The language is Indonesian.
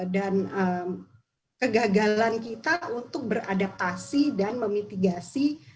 dan kegagalan kita untuk beradaptasi dan memitigasi